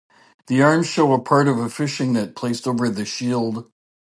The arms show a part of a fishing net placed over the shield.